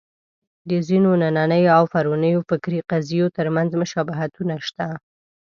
د ځینو نننیو او پرونیو فکري قضیو تر منځ مشابهتونه شته.